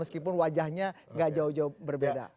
meskipun wajahnya gak jauh jauh berbeda